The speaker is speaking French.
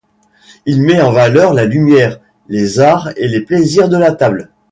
Il met en valeur la lumière, les arts et les plaisirs de la table.